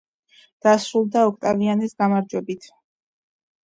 დასრულდა ოქტავიანეს გამარჯვებით.